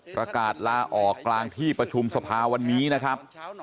ประกาศลาออกกลางที่ประชุมสภาวันนี้นะครับ